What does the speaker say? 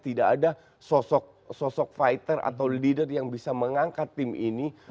tidak ada sosok fighter atau leader yang bisa mengangkat tim ini